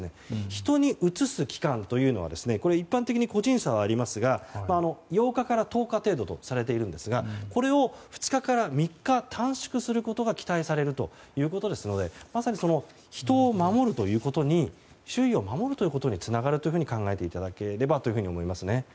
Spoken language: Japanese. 人にうつす期間というのは一般的に個人差はありますが８日から１０日程度とされているんですがこれを２３日短縮することが期待されるということですのでまさに、人を守るということに周囲を守るということにつながると考えていただければと思います。